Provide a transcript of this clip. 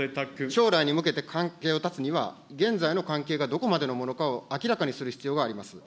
将来に向けて関係を断つには、現在の関係が、どこまでのものかを明らかにする必要があります。